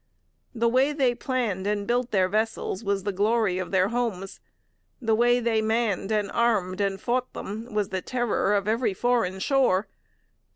The way they planned and built their vessels was the glory of their homes. The way they manned and armed and fought them was the terror of every foreign shore.